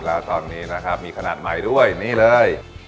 แล้วตอนนี้นะครับมีขนาดใหม่ด้วยนี่เลย